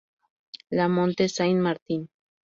La Motte-Saint-Martin